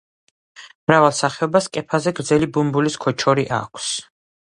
მრავალ სახეობას კეფაზე გრძელი ბუმბულის „ქოჩორი“ აქვს.